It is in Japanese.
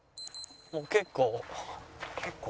もう結構。